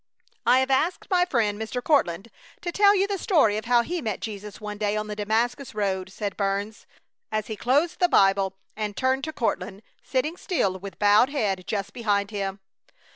"I have asked my friend Mr. Courtland to tell you the story of how he met Jesus one day on the Damascus road," said Burns, as he closed the Bible and turned to Courtland, sitting still with bowed head just behind him.